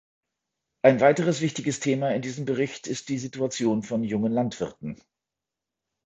Ein weiteres wichtiges Thema in diesem Bericht ist die Situation von jungen Landwirten.